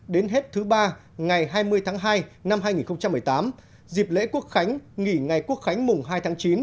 đến hết thứ ba ngày hai mươi tháng hai năm hai nghìn một mươi tám dịp lễ quốc khánh nghỉ ngày quốc khánh mùng hai tháng chín